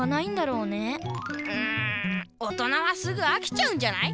うん大人はすぐあきちゃうんじゃない？